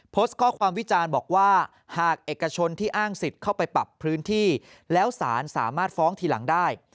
โพสต์ข้อความวิจารณ์บอกว่าหากเอกชนที่อ้างสิทธิ์เข้าไปปรับพื้นที่แล้วสารสามารถฟ้องทีหลังได้